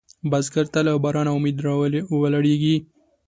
بزګر ته له بارانه امید راولاړېږي